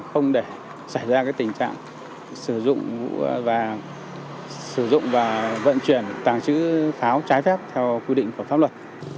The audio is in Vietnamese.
không để xảy ra tình trạng sử dụng và vận chuyển tàng trữ pháo trái phép theo quy định của pháp luật